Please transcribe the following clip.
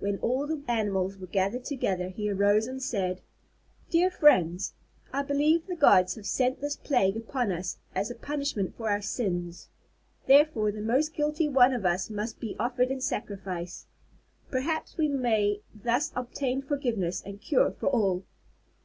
When all the animals were gathered together he arose and said: "Dear friends, I believe the gods have sent this plague upon us as a punishment for our sins. Therefore, the most guilty one of us must be offered in sacrifice. Perhaps we may thus obtain forgiveness and cure for all.